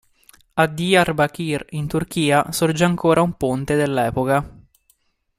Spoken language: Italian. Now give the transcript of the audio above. A Diyarbakır, in Turchia, sorge ancora un ponte dell'epoca.